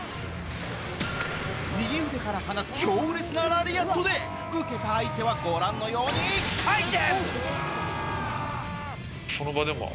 右腕から放つ強烈なラリアットで受けた相手はご覧のように１回転！